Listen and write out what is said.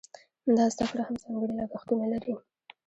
دا زده کړه هم ځانګړي لګښتونه لري.